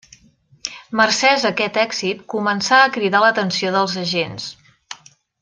Mercès a aquest èxit començà a cridar l'atenció dels agents.